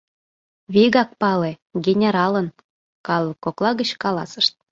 — Вигак пале, генералын! — калык кокла гыч каласышт.